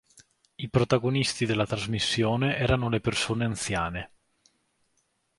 I protagonisti della trasmissione erano le persone anziane.